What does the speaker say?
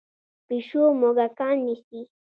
پیشو موږکان نیسي.